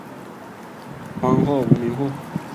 荒或无民户。